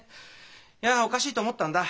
いやおかしいと思ったんだ。